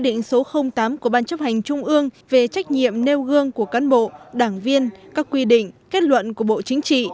định số tám của ban chấp hành trung ương về trách nhiệm nêu gương của cán bộ đảng viên các quy định kết luận của bộ chính trị